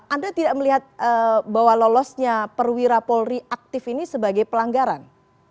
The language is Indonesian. anda tidak melihat bahwa lolosnya perwira polri aktif ini sebagai pelanggaran